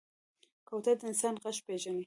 کوتره د انسان غږ پېژني.